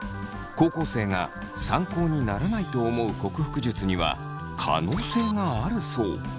高校生が参考にならないと思う克服術には可能性があるそう。